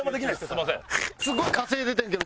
すみません。